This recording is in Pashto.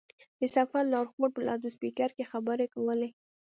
د سفر لارښود په لوډسپېکر کې خبرې کولې.